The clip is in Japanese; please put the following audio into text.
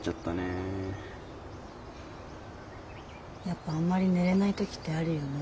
やっぱあんまり寝れない時ってあるよね。